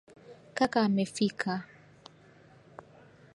Kaka amefika.